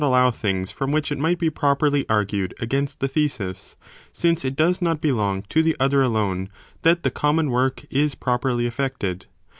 sliow things from which it might be properly argued against the thesis, since it does not belong to the other alone, that the common work is properly effected.